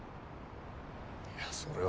いやそれは。